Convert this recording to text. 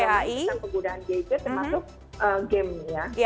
tentang kegunaan gadget termasuk game ini ya